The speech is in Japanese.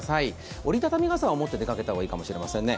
折り畳み傘は持って出かけた方がいいかもしれませんね。